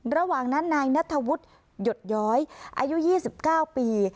ระหว่างนั้นนายนัทวุฒิหยดย้อยอายุยี่สิบเก้าปี